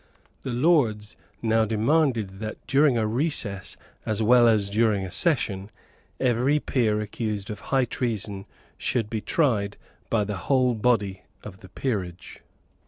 The Lords now demanded that, during a recess as well as during a session, every peer accused of high treason should be tried by the whole body of the peerage.